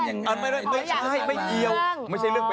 อ่าพี่หนุ่ม